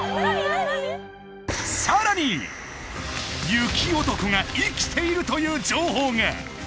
雪男が生きているという情報が！